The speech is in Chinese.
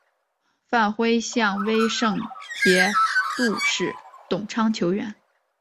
范晖向威胜节度使董昌求援。